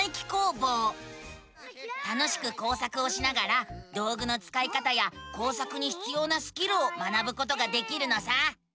楽しく工作をしながら道ぐのつかい方や工作にひつようなスキルを学ぶことができるのさ！